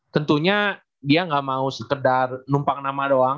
tentunya dia nggak mau sekedar numpang nama doang